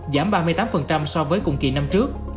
giảm ba mươi tám so với cùng kỳ năm trước